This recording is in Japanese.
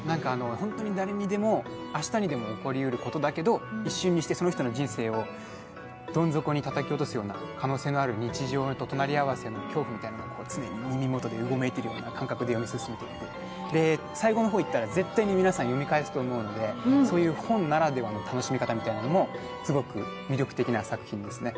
本当に誰にでも、明日にでも起こりうることだけど一瞬にしてその人の人生をどん底にたたき落とすような可能性のある日常と隣合わせみたいな恐怖と、常に耳元でうごめいているような感覚で読み進んで最後の方へ行ったら絶対に皆さん読み返すと思うのでそういう本ならではの楽しみ方みたいなものもすごく魅力的な作品ですね。